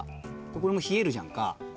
これも冷えるじゃんか。